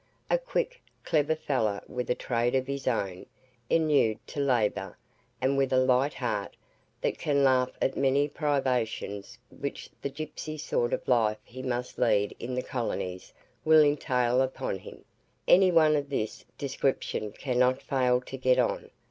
A quick, clever fellow with a trade of his own, inured to labour, and with a light heart, that can laugh at the many privations which the gipsy sort of life he must lead in the colonies will entail upon him; any one of this description cannot fail to get on.